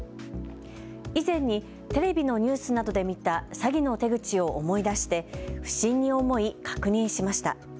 以前にテレビのニュースなどで見た詐欺の手口を思い出して不審に思い、確認しました。